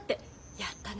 やったね。